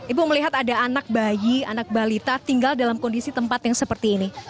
ibu melihat ada anak bayi anak balita tinggal dalam kondisi tempat yang seperti ini